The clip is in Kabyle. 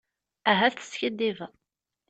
Ahat teskiddibeḍ.